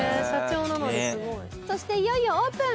そしていよいよオープン！